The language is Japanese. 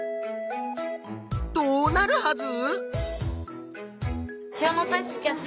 どうなるはず？